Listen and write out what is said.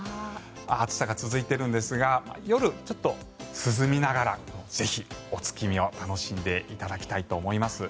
暑さが続いているんですが夜、ちょっと涼みながらぜひお月見を楽しんでいただきたいと思います。